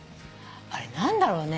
あれ何だろうね。